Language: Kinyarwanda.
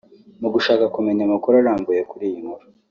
Mu gushaka kumenya amakuru arambuye kuri iyi nkuru